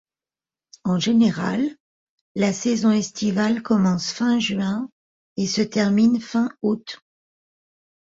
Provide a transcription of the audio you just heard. En général, la saison estivale commence fin juin et se termine fin août.